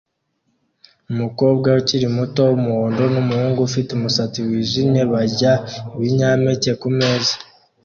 Umukobwa ukiri muto wumuhondo numuhungu ufite umusatsi wijimye barya ibinyampeke kumeza